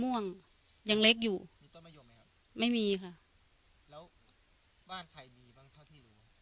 มันน่าจะปกติบ้านเรามีก้านมะยมไหม